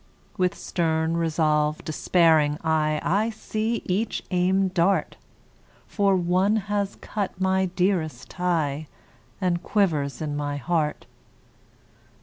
With stern resolv'd, despairing eye, I see each aimed dart; For one has cut my dearest tie, And quivers in my heart.